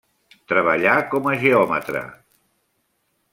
Treballà com a geòmetra.